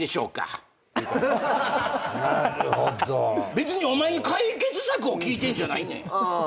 別にお前に解決策を聞いてんじゃないねん。